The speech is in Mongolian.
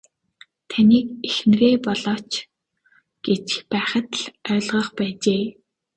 Таныг эхнэрээ болооч гэж байхад л ойлгох байжээ.